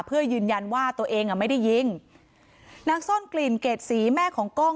เพื่อยืนยันว่าตัวเองอ่ะไม่ได้ยิงนางซ่อนกลิ่นเกรดศรีแม่ของกล้อง